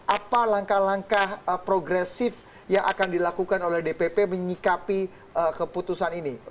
apa langkah langkah progresif yang akan dilakukan oleh dpp menyikapi keputusan ini